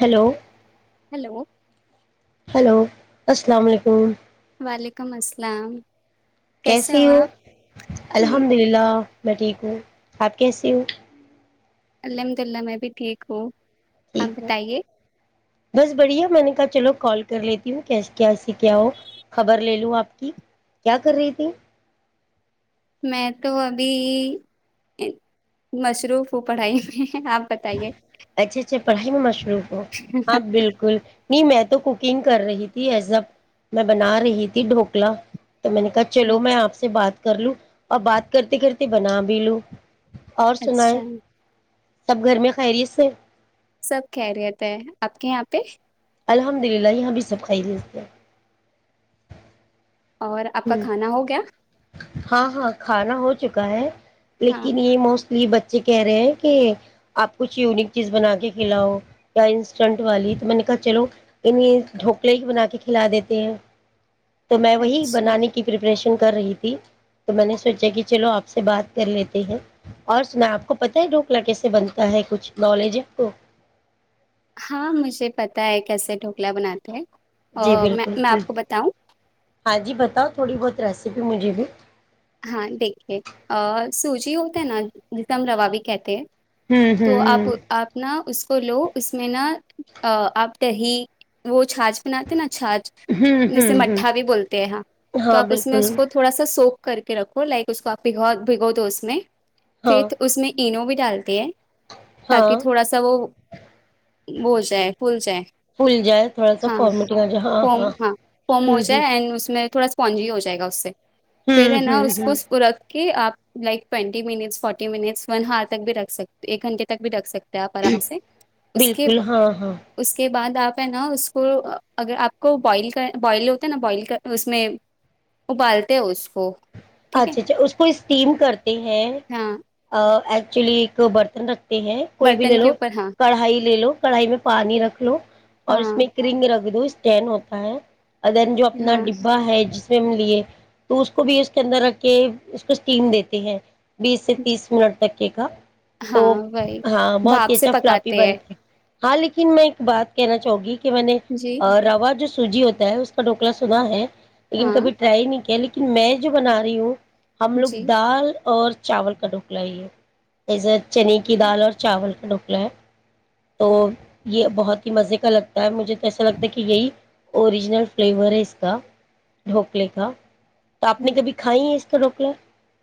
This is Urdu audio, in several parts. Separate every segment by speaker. Speaker 1: ہیلو
Speaker 2: ہلو
Speaker 1: ہیلو السلام علیکم
Speaker 2: وعلیکم السلام کیسے
Speaker 1: کیسی ہو
Speaker 2: آپ
Speaker 1: الحمد للہ میں ٹھیک ہوں آپ کیسیے ہو
Speaker 2: الحمد للہ میں بھی ٹھیک ہوں آپ
Speaker 1: ٹھیک ہے
Speaker 2: بتائیے
Speaker 1: بس بڑھیا میں نے چلو کال کر لیتی ہوں کیا سے کیا ہو خبر لے لوں آپ کی کیا کر رہی تھی
Speaker 2: میں تو ابھی مصروف ہوں پڑھائی میں آپ بتائیے
Speaker 1: پڑائی میں مش [unintelligible] رکو ہاں بالکل [unintelligible] نہیں میں تو کوکنگ کر رہی تھی ایز ا میں بنا رہی تھی ڈھوکلا تو میں نے کہا چلو میں آپ سے بات کر لوں اور بات کرتے کرتے بنا بھی لوں اور سنائ
Speaker 2: اچھا
Speaker 1: سب گھر میں خیریت سے
Speaker 2: سب خیریت ہے آپ کے یہاں پہ
Speaker 1: الحمد للہ یہاں بھی سب خیریت ہیں
Speaker 2: اور آپ کا کھانا ہو گیا
Speaker 1: ہاں ہاں کھانا ہو چکا ہے
Speaker 2: ہاں
Speaker 1: لیکن یہ مست [unintelligible] یہ بچے کہہ رہے ہیں کہ آپ کچھ یونک چیز بنا کے کھلاؤ یا انسٹنٹ والی تو میں نے کہا چلو انیں ڈھوکلے ہی بنا کے کھلا دیتے ہیں تو میں وہی
Speaker 2: اچھا
Speaker 1: بنانے کی پرریپریشن کر رہی تھی [unintelligible] تو میں نے سوچا کہ چلو آپ سے بات کر لیتے ہیں اور سنا آپ کو پتتا ہے ڈھوکلا کیسے بنتا ہے کچھ نالج آ کو [unintelligible]
Speaker 2: ہاں مجھے پتا ہے کیسے ڈھوکلا بناتے ہیں
Speaker 1: جی
Speaker 2: اور میں
Speaker 1: بالکل
Speaker 2: میں
Speaker 1: ہ
Speaker 2: آپ کو بتاؤں
Speaker 1: ہاں جی بتاؤ تھوڑی بہت ریسیپی مجھے بھی
Speaker 2: ہاں دیکھیے سوجی ہوتا ہے نا ایک دم روابی کہتے ہیں
Speaker 1: ہوں
Speaker 2: تو آپ
Speaker 1: ہوں
Speaker 2: آپ ن اس تو لو اس میں نا آپ دہی وہ چھاچ بناتے نا چھاچ
Speaker 1: ہ ہوں ہوں
Speaker 2: جیسے
Speaker 1: ہوں
Speaker 2: مٹھا بھی بولتے ہیں ہاں تو
Speaker 1: ہاں
Speaker 2: آپ اس میں اس
Speaker 1: بالکل
Speaker 2: کو تھوڑا سا سوک کر کے رکھو لائک اس کو آپ بگاؤ بھگو دو اس میں
Speaker 1: ہاں
Speaker 2: فت اس میں اینووڈ چلتی ہے
Speaker 1: ہاں
Speaker 2: تاکہ تھوڑا سا وہ بو سے ہے فول سے ہے
Speaker 1: فل جائے تھوڑا سا فمیٹنگ ہو ج ہاں
Speaker 2: فوم
Speaker 1: ہاں
Speaker 2: فوم
Speaker 1: ہ
Speaker 2: ہو
Speaker 1: ہ
Speaker 2: جائے اینڈ اس میں تھوڑا اسپونجی ہو جائے گا اس سے پھرے
Speaker 1: ہوں
Speaker 2: نا
Speaker 1: ہوں
Speaker 2: اس
Speaker 1: ہوں
Speaker 2: کوور کہ آپ لائک ٹوئٹی minutes forty minutes one hour تک بھی رکھ سک ایک گھنٹے تک بھی رکھ سکتے آپ آرام سے اس کے
Speaker 1: بالکل ہاں ہاں
Speaker 2: اس کے بعد آپ ہے نا اس کو اگر آپ کو بوائل کر بوائل ہوتے نا بوائل کر اس میں ابالتے ہیں وہ
Speaker 1: اچھا اچھا اس کو ٹیم کر ہیں
Speaker 2: ہاں
Speaker 1: چلی ایک برتن رکھ ہیں کوئی بھی لے
Speaker 2: برتن کے
Speaker 1: لو
Speaker 2: اوپر ہاں
Speaker 1: کڑھائی لے لو کڑھائی میں پانی رکھ لو اور اس میں
Speaker 2: ہاں
Speaker 1: ایک رنگ رکھ دو اس ٹین ہوتا ہے ا دین جو اپنا
Speaker 2: ہاں
Speaker 1: ڈبا ہے لیے تو اس کو بھی اس کے اندر رکھ کے اس کو اسٹیم دیتے ہیں بیس سے تیس منٹ تک کیک [unintelligible] تو
Speaker 2: ہاں وہی
Speaker 1: ہاں بہت ہی
Speaker 2: بھاپ سے
Speaker 1: اچھا فلاپی
Speaker 2: پکاتے ہیں
Speaker 1: بنتے ہاں لیکن میں ایک بات کہنا چاہوں گی کہ میں نے
Speaker 2: جی
Speaker 1: روا جو سوجی ہوتا ہے اس کا ڈھوکلا سب ہے لیکن کبھی
Speaker 2: ہاں
Speaker 1: ٹرائی ہی نہیں کیا لن میں جو بنا رہی ہو ہم لوگ
Speaker 2: جی
Speaker 1: دال اور چاول کا ڈھوک لائیے ایزے چنے کی دال اور چاول کا ڈک تو یہ بہت ہی مزے کا لگتا ہے مجھے ایسا لگتا ہے کہ یہی اوریجنل فلیور ہے اس کا ڈھوکلے کا تو آپ نے کبھی کھائی ہیں تو روکلا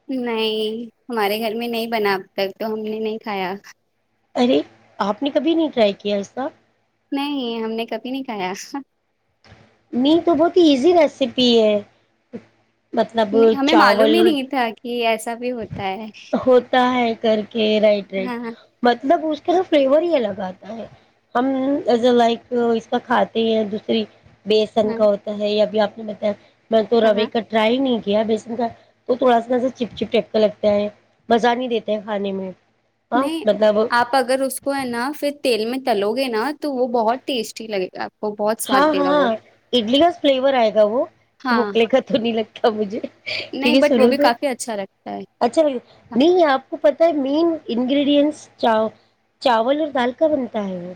Speaker 2: نہیں ہمارے گھر میں نہیں بنا اب تک تو ہم نے نہیں کھایا
Speaker 1: ارے آپ نے کبھی نہیں ٹرائی کیا ایسا
Speaker 2: نہیں ہم نے کبھی نہیں کھایا
Speaker 1: نہیں تو بہت ایزی ریسیپی ہے مطلب چاول
Speaker 2: یس ایسا بھی ہوتا ہے
Speaker 1: ہوتا ہے کر رائٹ
Speaker 2: ہاں
Speaker 1: رائٹ مطلب تا فلیور ہی الگ آتا ہے ہم ایز ا لائک اس کا کھاتے ہیں دوسری بیسن
Speaker 2: ہاں
Speaker 1: کا ہوتا ہے ابھی آپ اپ بت ب تو
Speaker 2: ہاں
Speaker 1: روی کٹرا ہی نہیں کیا بیسن کا تو تھوڑا ساا چپ چپ ٹ لگتا ہے مزہ نہیں دیتا ہے کھانے میں ہاں
Speaker 2: نہیں
Speaker 1: مطلب
Speaker 2: آپ اگر اس کو ہے نا پھر تیل میں تلو گے نا تو وہ بہت ٹیسٹی لگے گاپ
Speaker 1: ہاں ہاں اڈلی کا فلیور آئے گا وہ
Speaker 2: ہاں
Speaker 1: ڈھوکلے کا تو نہیں لگتا سبوجے ٹھیک
Speaker 2: نہیں
Speaker 1: ہے
Speaker 2: بٹ وہ
Speaker 1: سنو
Speaker 2: بھی
Speaker 1: تو
Speaker 2: کافی اچھا لگتا ہے
Speaker 1: اچھا لگے نہیں آپ کو پتا ہے مین انڈ چاول اور دال کا بنتا ہے وہ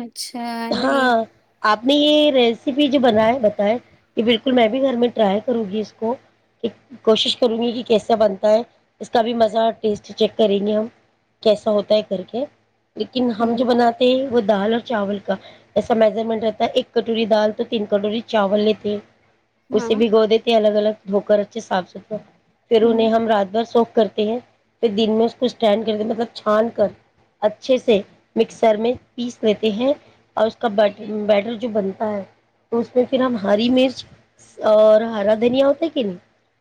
Speaker 2: اچا اچھا نہیں
Speaker 1: ہاں آپ نے یہ ریسیپی جو بنا ہے بتائے یہ بالکل میں بھی گھر میں ٹرائی کروں گی اس کو کہ کوشش کروں گی کہ کیسا بنتا ہے اس کا بھی مزہ ٹیسٹ چیک کریں گے ہم کیسا ہوتا ہے کر کے لیکن ہم جو
Speaker 2: ہ
Speaker 1: بناتے ہیں وہ دال اور چاول جسا میزرمنٹ رہتا ہے ایک کٹوری دال تو تین کٹوری چاول لیتے ہیں
Speaker 2: ہاں
Speaker 1: اسے بھیگو دیتے الگ الگ ہوھوکر سے صاف ستھرا پھر انہیں
Speaker 2: ہ
Speaker 1: ہم رات بھر سوکھ کرتے ہیں پھر دن میں اس کو اسٹینڈ کرتے مطلب چھان کر اچھے سے مکسر میں پیس لیتے ہیں اور اس کار بیٹر جو بنتا ہے تو اس میں پھر ہم ہری مرچ اور ہرا دھنیا ہوتا کہ نہیں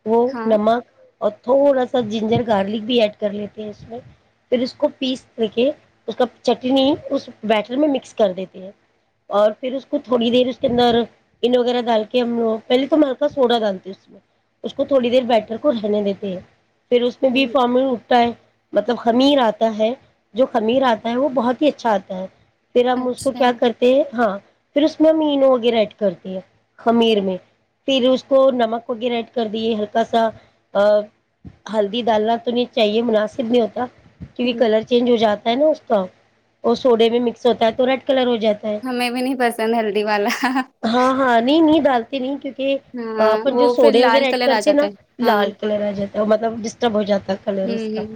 Speaker 1: وہ
Speaker 2: ہاں
Speaker 1: نمک اور تھوڑا سا جنجر گارلک بھی ایڈ کر لیتے ہیں اس میں پھر اس کو پیس کر کے اس کا چٹنی اس بیٹر میں مکس کر دیتے اور پھر اس کو تھوڑی دیر اس کے اندر ان وغیرہ ڈال کے ہم پہلے تو ہم ہلکا سوڈا ڈالتے اس میں اس کو تھوڑی دیر بیٹر کو رہنے دیتے ہیں پھر اس میں بی
Speaker 2: ہ
Speaker 1: فارامل مطلب خمیر آتا ہے جو خمیر آتا ہے وہ بہت ہی اچھا آتا ہے پھر ہم کو
Speaker 2: اچھا
Speaker 1: کیا کرتے ہیں ہاں پھر اس میں ہم اینو وغیرہ ایڈ کرتے ہیں خمیر میں پھر اس کو نمک وغیرہ ایڈ کر دیے ہلکا سا ہلدی ڈالنا تو نہیں چاہیے مناسب نہیں ہوتا کیکہ
Speaker 2: ہ
Speaker 1: کلر چینج ہو جاتا ہے نا اس اور سوڈے میں مکس ہوتا ہے تو را کلر
Speaker 2: ہمیں بھی نہیں پسند ہلدی والا
Speaker 1: ڈالتی نہیں کیونکہ کہ
Speaker 2: ہاں
Speaker 1: اپن جو
Speaker 2: وہ پھر
Speaker 1: سوڈے وغیرہ
Speaker 2: لال
Speaker 1: ایڈ
Speaker 2: کلر آ
Speaker 1: کرتے ہیں نا
Speaker 2: جاتا ہے ہاں
Speaker 1: لال کلر آ جاتا ہے مطلب ڈسٹرب ہو جا ہے
Speaker 2: ہ
Speaker 1: کلر اس کا
Speaker 2: ہ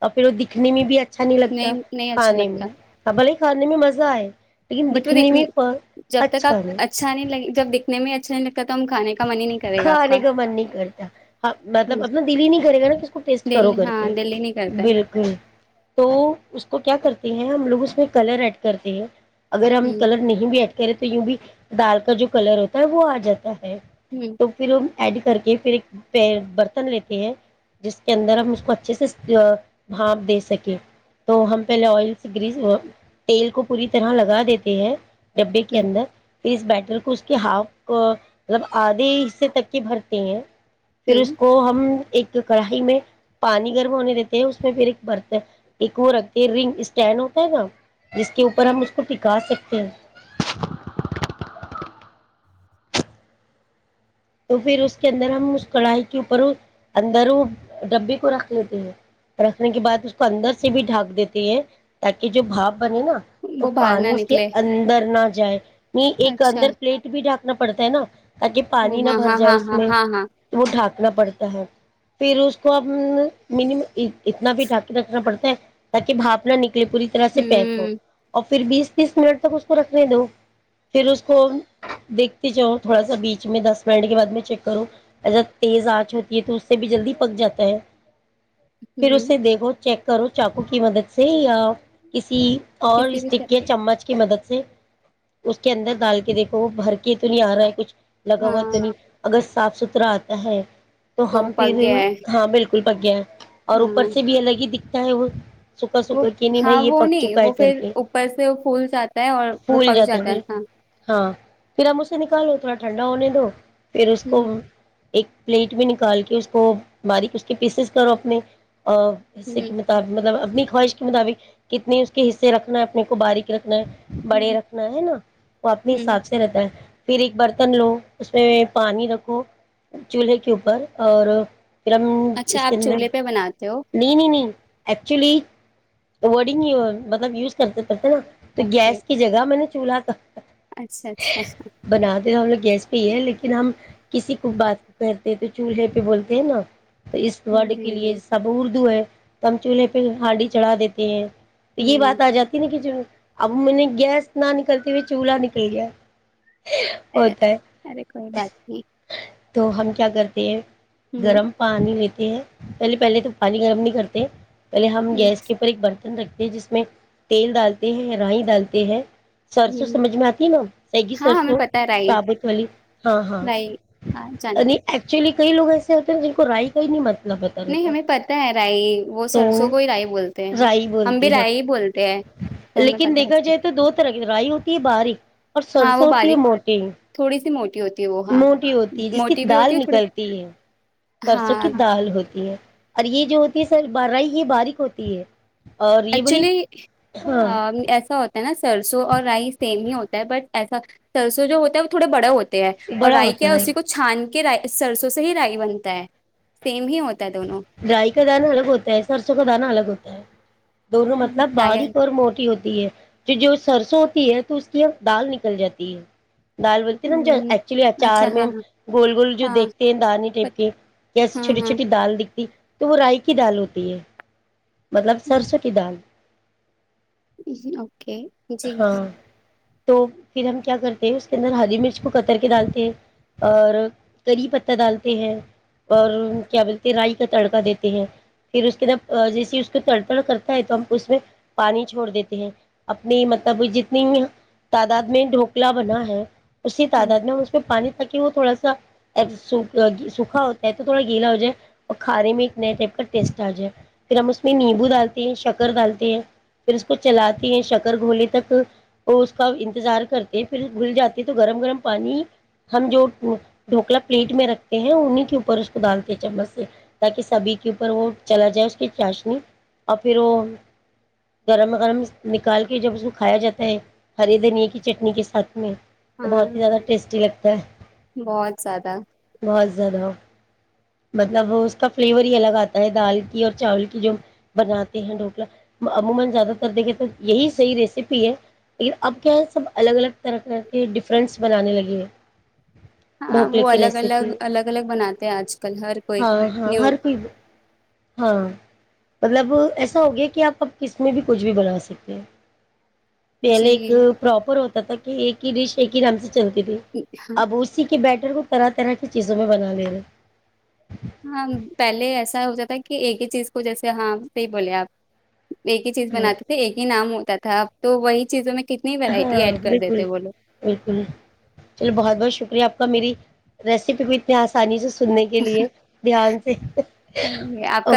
Speaker 1: اور پھر وہ دکھنے میں بھی اچھ اچھا نہیں لگتا
Speaker 2: نہیں اچھا
Speaker 1: کھانے
Speaker 2: لگتا
Speaker 1: میں ہ بھلے کھانے میں مزہ آئے لیکن
Speaker 2: بٹ وہ
Speaker 1: دکھنے
Speaker 2: دیک
Speaker 1: میں
Speaker 2: جب تک آپ اچھا نہیں لگے جب دیکھنے میں اچھا نہیں لگتا کتم کھان کے
Speaker 1: کھانے کا من نہیں کرتا مطلب
Speaker 2: ہوں،
Speaker 1: اپنا دل ہی نہیں کرے گا نا اس ٹیسٹ کرو
Speaker 2: دل
Speaker 1: کر
Speaker 2: ہاں
Speaker 1: کے
Speaker 2: دل ہی نہیں کرتا
Speaker 1: بالکل تو اس کو کیا کرتے ہیں ہم لوگ اس میں کلر ایڈ کرتے ہیں اگر ہم
Speaker 2: ہے ہ
Speaker 1: کلر نہیں بھی کہ رہے تو یوں بھی دال کا جو کلر ہوتا ہے وہ آ جاتا ہے
Speaker 2: ہوں
Speaker 1: تو پھر ایڈ کر کے پھر ایک برتن لیتے ہیں جس کے اندر ہم اس کو اچھے سے بھانپ دے سکیں تو ہم پہلے آئل سے گری تیل کو پوری طرح لگا دیتے ہیں ڈبے کے
Speaker 2: ہوں
Speaker 1: اندر ھر اس بیٹل کو اس کے ہاف کو مطلب حصے تک کی بھرتی ہیں پھر اس
Speaker 2: ہوں
Speaker 1: کو ہم ایک کڑھائی میں پانی گرم ہونے دیتے ہیں اس میں پھر ایک برتن ایک وہ رکھتے ہے رنگ اسٹینڈ ہوتا ہے نا جس کے اوپر ہم
Speaker 2: ہاں
Speaker 1: اس کو پکا سکتے ہیھ تو پھر اس کے اندر ہم اس کڑھائی کے اوپر اندر وہ ڈبے کو رکھ لیتے ہیں رکھنے کے بعد اس کو اندر سے بھی ڈھانک دیتے ہیں تاکہ جو بھاپ بنے نا تو
Speaker 2: وہ باہر نہ
Speaker 1: پانی اس کے
Speaker 2: نکلے
Speaker 1: اندر نہ جائے م ایک
Speaker 2: اچھا
Speaker 1: اندر پلیٹ بھی ڈا نا پڑتا ہے نا تاکہ پانی نہ
Speaker 2: ہاں
Speaker 1: بھر
Speaker 2: ہاں
Speaker 1: جائے
Speaker 2: ہاں
Speaker 1: اس
Speaker 2: ہاں
Speaker 1: میں
Speaker 2: ہاں ہاں ہاں
Speaker 1: وہ ڈھاک نا پڑتا ہے پھر اس کو ا م اتنا بھی ڈٹا کے رکھنا پڑتا ہے تاکہ بھاپ نہ نکل پوری طرح سے پیک ہو
Speaker 2: ہوں
Speaker 1: اور پھر بیس تیس منٹ تک اس کو رکھنے دو پھر اس کو دیکھتے جاؤ تھوڑا سا بیچ میں دس منے کے بعد میں چیک کروں ایسا تیز آنچ ہوتی ہے تو اس سے بھی جلدی پک جاتا ہے پھر
Speaker 2: ہوں
Speaker 1: اسے دیکھو چیک کرو چاقو کی مدد سے یا کسی اور
Speaker 2: کسی بھی شے-
Speaker 1: اسٹک کے چمچ کی مدد سے اس کے اندر ڈال کے دیکھو وہ بھر کے تو نہیں آ رہا ہے کچھ لگ بت
Speaker 2: ہاں
Speaker 1: صاف ستھرا آتا ہے تو ہم ف
Speaker 2: پک گیا ہے
Speaker 1: ہاں بالکل اسکوللگ گیا اور اوپر
Speaker 2: ہاں
Speaker 1: سے بھی الگ ہی دکھ ا وہ سوکھا
Speaker 2: وہ
Speaker 1: سوکھا کہ نہیں
Speaker 2: ہاں
Speaker 1: بھائی یہ
Speaker 2: وہ
Speaker 1: پک
Speaker 2: نہیں
Speaker 1: چکا ہے
Speaker 2: وہ
Speaker 1: کر
Speaker 2: پھر
Speaker 1: کے
Speaker 2: اوپر سے پھول جاتا ہے اور وہ پک جاتا ہے ہاں
Speaker 1: ہاں پھر ہم اسے نکالو تھوڑا ٹھنڈا ہونے دو پھر اس کو
Speaker 2: ہوں
Speaker 1: ایک پلیٹ میں نکال کے اس کو باریک اس کے پیسز کرو اپنے اور حصے
Speaker 2: ہوں
Speaker 1: کے مطابق مطلب کتنی خواہش کے مطابق کتنے اس کے حصے رکھنا ہے اپنے کو باریکی رکھنا ہے بڑے
Speaker 2: ہوں
Speaker 1: رکھنا ہے نا وہ اپنے
Speaker 2: ہوں
Speaker 1: حساب سے رہتا ہے پھر ایک برتن لو اس [unintelligible] پانی رکھو چولہے کے اوپر اور پھر ہم
Speaker 2: اچھا
Speaker 1: اس کے
Speaker 2: آپ
Speaker 1: ل
Speaker 2: چولہے پہ بناتے ہو
Speaker 1: نہیں نہیں [unintelligible] ایکچولی وورڈگ مطلب یوز کرتے تھ نا تو
Speaker 2: اوکے
Speaker 1: گیس کی جگہ میں نے [unintelligible] چولا کا [unintelligible]
Speaker 2: اچھا اچھا
Speaker 1: بناتے تو ہم لوگ گیس ہے لیکن ہم کسی کو بات کرتے ہیں تو چولہے پہ بولتے ہیں نا تو اس ورڈ
Speaker 2: جی
Speaker 1: کے لیے
Speaker 2: جی
Speaker 1: سب اردو ہے کم چولہے پہ ہانڈی چڑھا دیتے ہیں تو یہ
Speaker 2: ہوں
Speaker 1: بات آ جاتی نا کہ اب میں نے گیس نہ نکلتے ہوئے چولہا نکل گیا
Speaker 2: ارے
Speaker 1: ہوتا ہے [unintelligible]
Speaker 2: ارے کوئی بات نہیں [unintelligible]
Speaker 1: تو ہم کیا کرتے ہیں
Speaker 2: ہوں
Speaker 1: گرم پانی لیتے پہلے پہلے تو پانی گرم نہیں کرتے پہلے ہم
Speaker 2: ہوں
Speaker 1: گیس کے اوپر ایک بنتے رکھتے ہیں جس میں تیل ڈالتے ہیں رائی ڈالتے ہیں سرسو
Speaker 2: ہوں
Speaker 1: سمجھ میں آتی ہے نا سیگی
Speaker 2: ہاں ہمیں
Speaker 1: سرسوں
Speaker 2: پتہ ہے رائی
Speaker 1: صابت والی ہاں ہاں
Speaker 2: رائی ہاں جانتے ہیں۔
Speaker 1: ایکچلی [unintelligible] کئی لگ ایسے ہوتے ہیں جن کو رائی کا ہی نہیں منتے
Speaker 2: نہیں ہمیں پتا ہے رائی وہ
Speaker 1: تو
Speaker 2: سرسوں کو ہی رائی بولتے ہیں
Speaker 1: رائی
Speaker 2: ہم
Speaker 1: بولتے
Speaker 2: بھی
Speaker 1: ہیں
Speaker 2: رائی ہی بولتے ہیں تو ہمیں
Speaker 1: لیکن
Speaker 2: پت ہے
Speaker 1: دیکھا جائے تو دو طرح کی رائی ہوتی ہے باریک اور
Speaker 2: ہاں وہ
Speaker 1: سرسوںتی ہے
Speaker 2: باریک
Speaker 1: موٹی
Speaker 2: تھوڑی سی موٹی ہوتی ہے وہ ہاں
Speaker 1: موٹی ہوتی ہے جس کی
Speaker 2: موٹی بھی ہوتی
Speaker 1: دال
Speaker 2: ہے تھوڑی
Speaker 1: نکلتی ہے سرسوں کی
Speaker 2: ہاں
Speaker 1: دال ہوتی ہے اور یہ جو ہوتی ہے سر برائی یہ باریک ہوتی ہے اور یہ بڑی
Speaker 2: ایکچولی
Speaker 1: ہاں
Speaker 2: ایسا ہوتا ہے نا سر [unintelligible] سرسو اور رائس سیم ہی ہوتا ہے بٹ ایسا سرسو جو ہوتا ہے وہ تھوڑے بڑے ہوتا ہیں ہے اور
Speaker 1: بڑا
Speaker 2: رائی
Speaker 1: ہوتا
Speaker 2: کیا ہے اسی کو چھان کہ ر سرسوں سے ہی رائی بنتا ہے سیم ہی ہوتا ہے دونوں
Speaker 1: گائی کا دانا الگ ہوتا ہے سرسوں کا دانہ الگ ہوتا ہے دونوں مطلب
Speaker 2: شاید
Speaker 1: باریک اور موٹی ہوتی تو جو سرسوں ہوتی ہے تو اس کی دال نکل جاتی ہے دال بولتی ہے نا جو
Speaker 2: ہ
Speaker 1: ایکچولی
Speaker 2: اچھا
Speaker 1: اچار میں
Speaker 2: ہاں
Speaker 1: ہم گول گول جو
Speaker 2: ہاں
Speaker 1: دیکھتے ہیں دارنی
Speaker 2: ہاں
Speaker 1: ٹائپ کے کیسے
Speaker 2: ہاں
Speaker 1: چھوٹی
Speaker 2: ہاں
Speaker 1: چھوٹی دال دکھ تو وہ رائی کی دال ہوتی ہے مطلب سرسوں کی دال
Speaker 2: اوکے جی
Speaker 1: ہاں تو پھر ہم کیا کرتے ہیں اس کے اندر ہری مرچ کو کتر کے ڈالتے ہیں اور کری پتہ ڈالتے ہیں اور کیا بولتے رائی کا تڑکا دیتے ہیں پھر اس کے اندر جیس اس کو تڑ تڑ کرتا ہے تو ہم اس میں پانی چھوڑ دیتے ہیں اپنی مطلب جتنی تعداد میں ڈھوکلا بنا ہے اسی تعداد میں اس پانی تاکہ وہ تھوڑا سا س سوکھا ہوتا ہے تو تھوڑا گیلا ہو جائے اور کھانے میں ایک نئے ٹائپ کا ٹیسٹ آ جائے پھر ہم اس میں نیمبو ڈالتے ہیں شکر ڈالتے ہیں پھر اس کو چلاتے ہیں شکر گھوولے تک وہ اس کا انتظار کرتے ہیں پھر گھل جاتے ہے تو گرم گرم پانی ہم جو ڈھوکلا پلیٹ میں رکھتے ہیں انہیں کے اوپر اس کو ڈالتے ہیں چمچ سے تاکہ سبھی کے اوپر وہ چلا جائے اس کے چاشنی اور پھر وہ گرم گرم نکال کے جب اس کو کھایا جاتا ہے ہریے دھنیا کی چٹنی کے ساتھ میں تو بہت ہی
Speaker 2: ہاں
Speaker 1: زیادہ ٹیسٹی لگتا
Speaker 2: بہت زیادہ
Speaker 1: ہے بہت زیادہ [unintelligible]
Speaker 2: ہاں
Speaker 1: ڈھوکلے
Speaker 2: وہ
Speaker 1: کی
Speaker 2: الگ الگ
Speaker 1: ریسیپی
Speaker 2: الگ الگ بناتے ہیں آج کل ہر کوئی
Speaker 1: ہاں ہاں
Speaker 2: نیو
Speaker 1: ہر کوئی ہاں مطلب ایسا ہو گیا کہ آپ اب کس میں بھی کچھ بھی بنا سکتے ہیں پہل
Speaker 2: جی
Speaker 1: ایک پراپر ہوتا کہ ایک ہی ڈش ایک ہی رام سے چلتی تھی
Speaker 2: ہاں
Speaker 1: اب اسی کے بیٹر کو طرح طرح کی چیزوں میں بنا لے رہے
Speaker 2: ہاں پہلے ایسا ہو جاتا کہ ایک ہی چیز کو جیسے ہاں صحی بولے آپ ایک ہی چیز
Speaker 1: ہاں
Speaker 2: بناتے تھے ایک ہی نام ہوتا تھا تھا اب تو وہی چیزوں میں کتنی ورائٹی
Speaker 1: ہاں
Speaker 2: ایڈ کر
Speaker 1: بالکل
Speaker 2: دیتے وہ
Speaker 1: بالکل چلو بہت بہت شکریہ آپ کا میری ریسیپی کو اتنی آسانی سے سننے کے لیے دھیان سے ا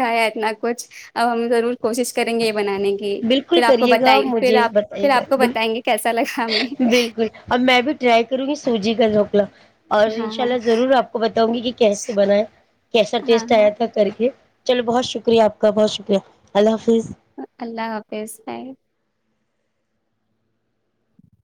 Speaker 2: ھا اتنا کچھ اب ہم ضرور کوشش کریں گے بنانے کی
Speaker 1: بالکل
Speaker 2: پھر آ کو
Speaker 1: کریے گا
Speaker 2: بتائیںےھر
Speaker 1: مجھے
Speaker 2: آ
Speaker 1: بتائیے
Speaker 2: پھر آپ کو
Speaker 1: گا
Speaker 2: بتائیں گے کیسا لگا ہمیں
Speaker 1: بالکل اب میں بھی ٹرائی کروں گی سوجی کا روکلا اور
Speaker 2: ہاں
Speaker 1: انشاء
Speaker 2: ہاں
Speaker 1: اللہ ضرور آپ کو بتاؤں گی کہ کیسے بنایا کیسا
Speaker 2: ہاں
Speaker 1: ٹیسٹ
Speaker 2: ہاں
Speaker 1: آیا تھا کر کے چلو بہت شکریہ آپ کا بہت شکریہ اللہ حافظ
Speaker 2: اللہ پس ہے